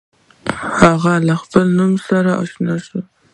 هغه له خپلې نوې څېرې سره اشنا شو.